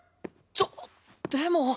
ちょっでも。